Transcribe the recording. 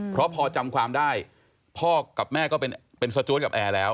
เพราะพอจำความได้พ่อกับแม่ก็เป็นสจวนกับแอร์แล้ว